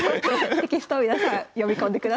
テキストを皆さん読み込んでください。